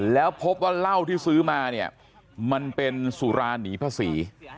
แล้วพบว่าเหล้าที่ซื้อมาเนี่ยมันเป็นสุราหนีภาษี